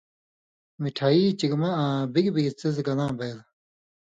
مِٹھائ، چِگمہ آں بِگ بِگ څیزہۡ گلاں بیئل